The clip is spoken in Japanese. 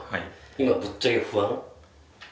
今ぶっちゃけ不安？